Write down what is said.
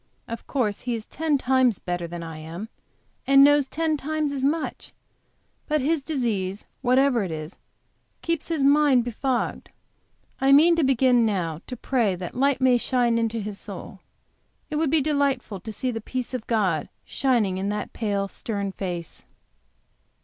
Of course, he is ten times better than I am, and knows ten times as much, but his disease, whatever it is, keeps his mind befogged. I mean to begin now to pray that light may shine into his soul. It would be delightful to see the peace of God shining in that pale, stern face.